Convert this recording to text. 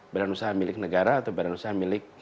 badan usaha milik negara atau badan usaha milik